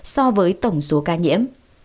tám so với tổng số ca nhiễm